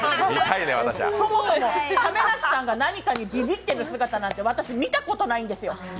そもそも亀梨さんが何かにびびってる姿なんて私、見たことないんですよ。